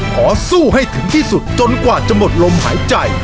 ขอสู้ให้ถึงที่สุดจนกว่าจะหมดลมหายใจ